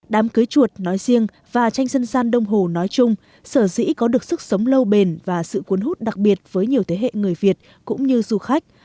đám cưới chuột nói riêng và tranh dân gian đông hồ nói chung sở dĩ có được sức sống lâu bền và sự cuốn hút đặc biệt với nhiều thế hệ người việt cũng như du khách